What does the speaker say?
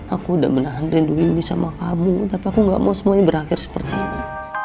aku udah menahan rindu ini sama kamu tapi aku gak mau semuanya berakhir seperti ini